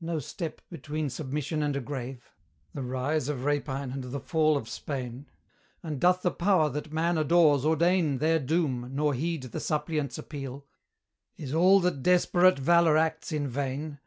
No step between submission and a grave? The rise of rapine and the fall of Spain? And doth the Power that man adores ordain Their doom, nor heed the suppliant's appeal? Is all that desperate Valour acts in vain?